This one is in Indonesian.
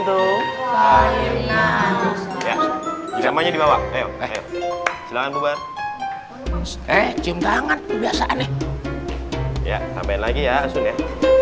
tuh ya semuanya di bawah silahkan bubar eh cium tangan kebiasaannya ya sampai lagi ya sudah